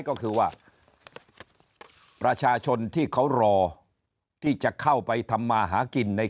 ก็คือว่าประชาชนที่เขารอที่จะเข้าไปทำมาหากินใน